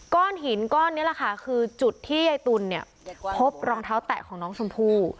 ก้อนหินก้อนนี้แหละค่ะคือจุดที่ยายตุลเนี่ยพบรองเท้าแตะของน้องชมพู่